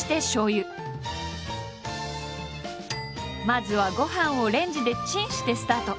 まずはご飯をレンジでチンしてスタート。